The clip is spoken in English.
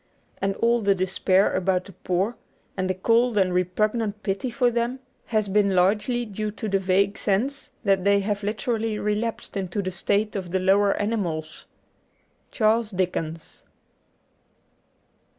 And all the despair about the poor, and the cold and repugnant pity for them, has been largely due to the vague sense that they have literally relapsed into the state of the lower animals. ^Charles Dickens.'